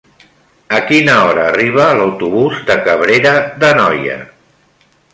A quina hora arriba l'autobús de Cabrera d'Anoia?